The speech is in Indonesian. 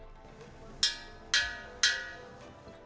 ketika kami berada di lapas